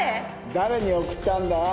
誰に送ったんだ？